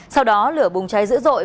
sau đó lửa bùng cháy dữ dội